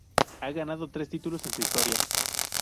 Ha ganado tres títulos en su historia.